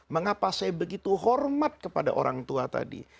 mengapa saya begitu hormat kepada orang tua tadi